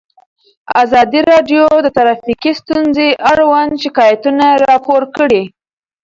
ازادي راډیو د ټرافیکي ستونزې اړوند شکایتونه راپور کړي.